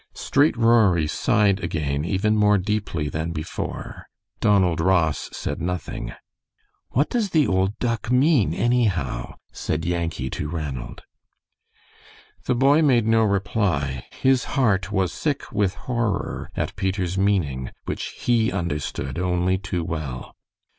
Straight Rory sighed again even more deeply than before. Donald Ross said nothing. "What does the old duck mean, anyhow?" said Yankee to Ranald. The boy made no reply. His heart was sick with horror at Peter's meaning, which he understood only too well.